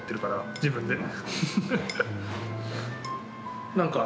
自分でも。